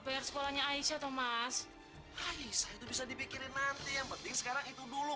bayar sekolahnya aisyah thomas ais itu bisa dipikirin nanti yang penting sekarang itu dulu